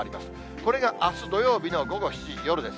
これがあす土曜日の午後７時、夜です。